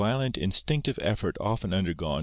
lent instinctive effort often undergone to 9?